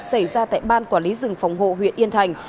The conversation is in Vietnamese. xảy ra tại ban quản lý rừng phòng hộ huyện yên thành